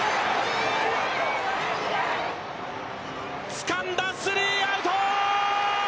つかんだ、スリーアウト。